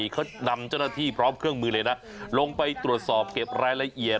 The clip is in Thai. เขานำเจ้าหน้าที่พร้อมเครื่องมือเลยนะลงไปตรวจสอบเก็บรายละเอียด